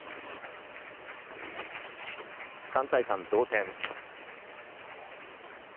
３対３、同点。